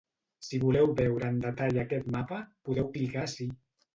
Si voleu veure en detall aquest mapa, podeu clicar ací.